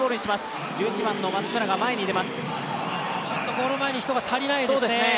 ゴール前にちょっと人が足りないですね。